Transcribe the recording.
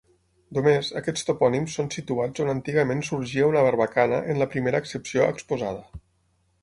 Només, aquests topònims són situats on antigament sorgia una barbacana en la primera accepció exposada.